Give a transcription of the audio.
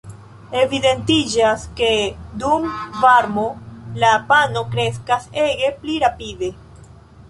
Evidentiĝas ke dum varmo la "pano" kreskas ege pli rapide.